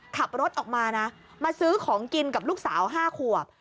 ขับรถออกมานะมาซื้อของกินกับลูกสาว๕ขวบ